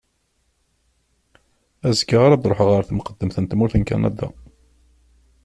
Azekka ara d-ruḥeɣ ɣer temqeddemt n tmurt n Kanada.